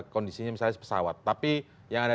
kondisinya misalnya pesawat tapi yang ada